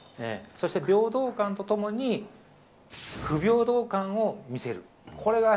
そして平等感とともに、不平等感を見せる。